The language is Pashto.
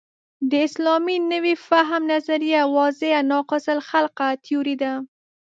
د اسلامي نوي فهم نظریه واضحاً ناقص الخلقه تیوري ده.